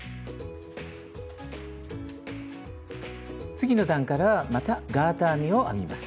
次の段からはまたガーター編みを編みます。